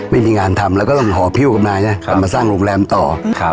ไม่มีงานทำแล้วก็ต้องหอพิวกับนายเนี้ยครับมาสร้างโรงแรมต่อครับ